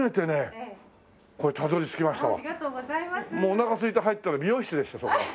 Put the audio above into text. おなかすいて入ったら美容室でしたそこは。